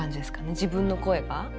自分の声が。